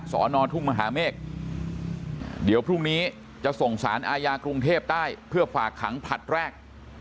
สอนอทุ่งมหาเมฆเดี๋ยวพรุ่งนี้จะส่งสารอาญากรุงเทพใต้เพื่อฝากขังผลัดแรก